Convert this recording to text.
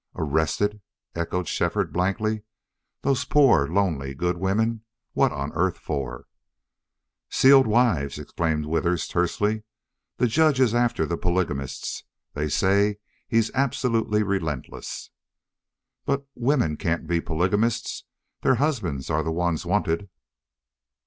"Arrested!" echoed Shefford, blankly. "Those poor, lonely, good women? What on earth for?" "Sealed wives!" exclaimed Withers, tersely. "This judge is after the polygamists. They say he's absolutely relentless." "But women can't be polygamists. Their husbands are the ones wanted."